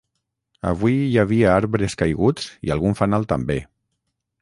Avui hi havia arbres caiguts i algun fanal també.